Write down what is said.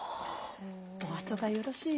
おあとがよろしいようで」。